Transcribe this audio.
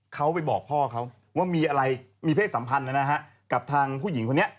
เขาไปบอกพ่อเขาว่ามีอะไรมีเพศสัมพันธ์นะฮะกับทางผู้หญิงคนนี้